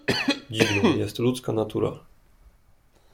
"Dziwną jest ludzka natura."